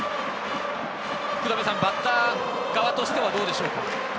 福留さん、バッター側としてはどうでしょう？